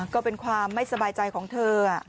ก็เป็นความไม่สบายใจของเธอ